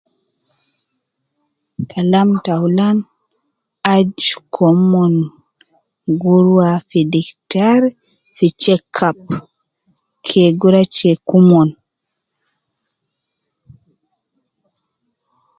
Kalam ta aulan aju komon gu ruwa fi diktari fi cheki up. Ke gu ruwa check umon